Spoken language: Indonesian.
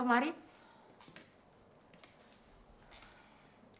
datang dari negara ini